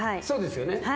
そうですよね